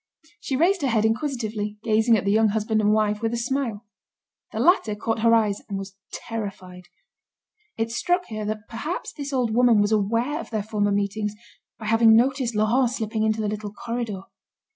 She raised her head inquisitively, gazing at the young husband and wife with a smile. The latter caught her eyes, and was terrified. It struck her that perhaps this old woman was aware of their former meetings, by having noticed Laurent slipping into the little corridor.